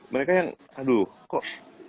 mereka yang aduh kok